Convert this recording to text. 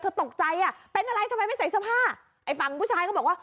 ตกใจอ่ะเป็นอะไรทำไมไม่ใส่เสื้อผ้าไอ้ฝั่งผู้ชายเขาบอกว่า